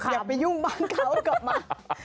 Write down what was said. อย่าไปยุ่งบ้านเขากลับมา